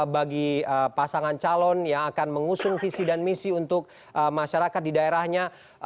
bagi pasangan calon yang akan mengusung visi dan misi untuk masyarakat di daerahnya